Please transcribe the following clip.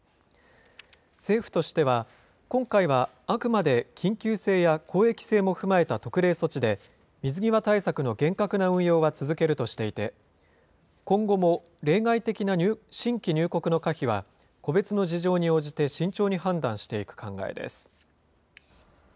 政府としては、今回はあくまで緊急性や公益性も踏まえた特例措置で、水際対策の厳格な運用は続けるとしていて、今後も例外的な新規入国の可否は、個別の事情に応じて慎重に判断していく考えです。